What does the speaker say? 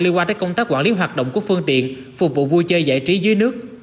liên quan tới công tác quản lý hoạt động của phương tiện phục vụ vui chơi giải trí dưới nước